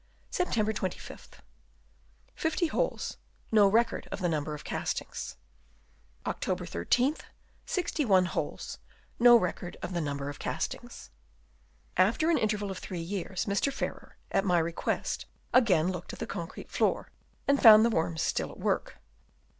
Sept. 25th; 50 holes, no record of the number of castings. Oct. 13th ; 61 holes, no record of the number of castings. After an interval of three years, Mr. Farrer, at my request, again looked at the concrete floor, and found the worms still at work.